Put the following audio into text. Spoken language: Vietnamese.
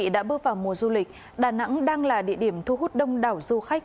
đã bước vào mùa du lịch đà nẵng đang là địa điểm thu hút đông đảo du khách